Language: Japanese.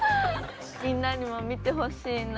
みんなにも見てほしいな・